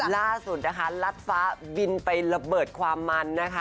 ล่าสุดลัตฟ้าบินไประเบิดความมัน